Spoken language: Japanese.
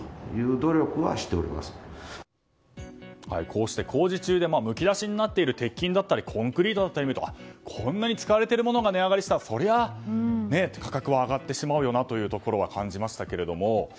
こうして工事中でむき出しになっている鉄筋だったりコンクリートを見るとこんなに使われているものが値上がりしたらそりゃ価格は上がってしまうよなと感じましたけれども。